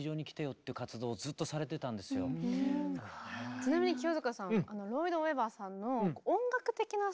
ちなみに清塚さん